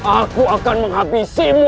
aku akan menghabisimu